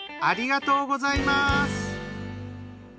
ありがとうございます。